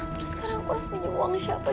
terus sekarang harus punya uang siapa